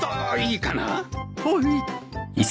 はい。